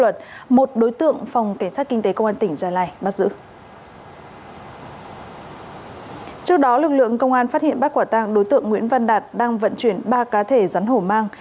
trước đó lực lượng công an phát hiện bắt quả tàng đối tượng nguyễn văn đạt đang vận chuyển ba cá thể rắn hổ mang